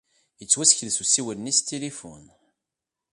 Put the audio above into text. Ittwasekles usiwel-nni s tilifun.